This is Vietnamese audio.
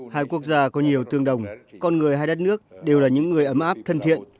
hai quốc gia có nhiều tương đồng con người hai đất nước đều là những người ấm áp thân thiện